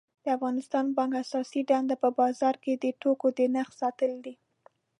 د افغانستان بانک اساسی دنده په بازار کی د توکو د نرخ ساتل دي